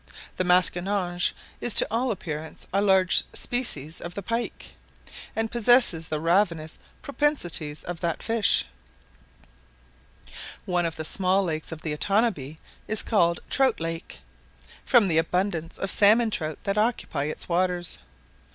The masquinonge is to all appearance a large species of the pike, and possesses the ravenous propensities of that fish. One of the small lakes of the Otanabee is called Trout Lake, from the abundance of salmon trout that occupy its waters.